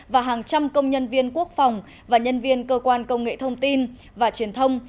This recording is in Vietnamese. và hàng trăm công nhân viên quốc phòng và nhân viên cơ quan công nghệ thông tin và truyền thông